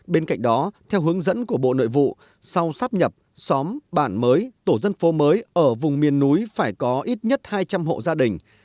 bên cạnh đó theo hướng dẫn của bộ nội vụ sau sắp nhập xóm bản mới tổ dân phố mới ở vùng miền núi phải có ít nhất hai trăm linh hộ gia đình